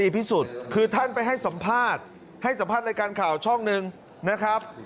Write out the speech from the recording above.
พิสูจน์คือท่านไปให้สัมภาษณ์ให้สัมภาษณ์รายการข่าวช่องหนึ่งนะครับ